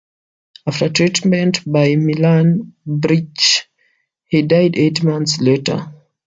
After treatment by Milan Brych, he died eight months later.